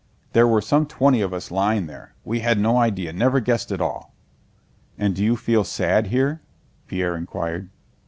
There were some twenty of us lying there. We had no idea, never guessed at all." "And do you feel sad here?" Pierre inquired.